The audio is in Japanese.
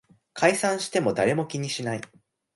解散しても誰も気にしない